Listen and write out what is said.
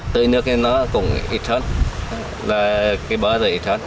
tươi nước cũng ít hơn cây bơ thì ít hơn